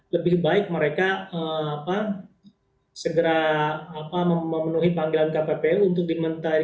lebih baik mereka segera memenuhi panggilan kppu untuk dimintai